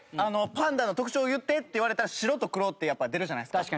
パンダの特徴を言ってって言われたら白と黒ってやっぱ出るじゃないですか。